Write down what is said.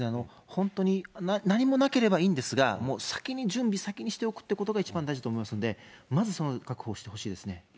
本当に何もなければいいんですが、先に準備を、先にしておくというのが一番大事と思いますので、まずそれを確保してほしいですね。